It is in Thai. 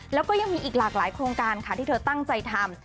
แล้วก็ยังมีอีกหลากหลายโครงการค่ะที่เธอตั้งใจทำ